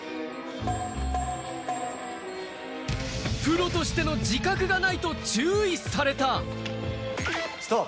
プロとしての自覚がないと注意された。